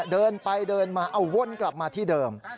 เดินไปเดินมาเอาวนกลับมาที่เดิม